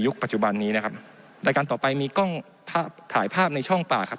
ปัจจุบันนี้นะครับรายการต่อไปมีกล้องภาพถ่ายภาพในช่องป่าครับ